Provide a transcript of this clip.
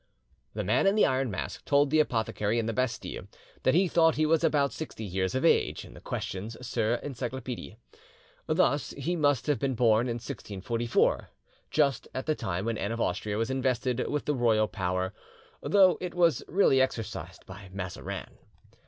The Man in the Iron Mask told the apothecary in the Bastille that he thought he was about sixty years of age ('Questions sur d'Encyclopedie'). Thus he must have been born in 1644, just at the time when Anne of Austria was invested with the royal power, though it was really exercised by Mazarin.